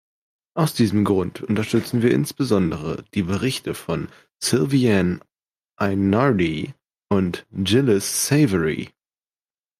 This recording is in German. Aus diesem Grund unterstützen wir insbesondere die Berichte von Sylviane Ainardi und Gilles Savary.